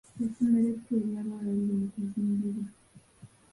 Essomero eppya ery'abawala liri mu kuzimbibwa.